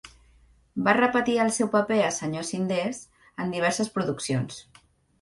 Va repetir el seu paper a Sr.Cinders en diverses produccions.